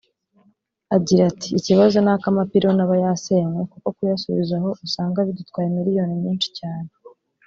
Agira ati “Ikibazo ni ak’amapironi aba yasenywe kuko kuyasubizaho usanga bidutwaye Miliyoni nyinshi cyane